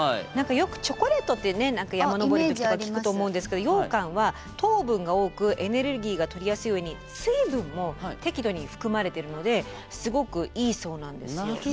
よくチョコレートって山登りの時とか聞くと思うんですけどようかんは糖分が多くエネルギーがとりやすいうえに水分も適度に含まれているのですごくいいそうなんですよ。